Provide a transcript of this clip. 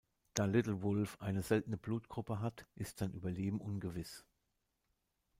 Da „Little Wolf“ eine seltene Blutgruppe hat, ist sein Überleben ungewiss.